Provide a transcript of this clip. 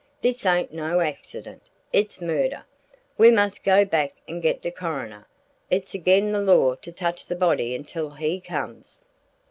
This ain't no accident. It's murder! We must go back an' get the coroner. It's agen the law to touch the body until he comes."